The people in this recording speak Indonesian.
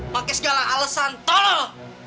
pakai segala alesan tolol